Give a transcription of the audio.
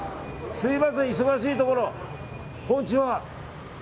すみません、忙しいところこんにちは。